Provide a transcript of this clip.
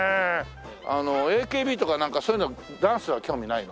ＡＫＢとかなんかそういうのダンスは興味ないの？